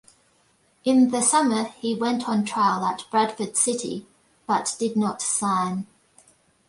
In the summer he went on trial at Bradford City, but did not sign.